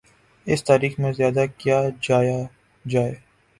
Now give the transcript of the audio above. اس تاریخ میں زیادہ کیا جایا جائے۔